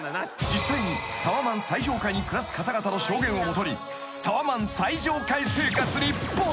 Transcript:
［実際にタワマン最上階に暮らす方々の証言を基にタワマン最上階生活に没入］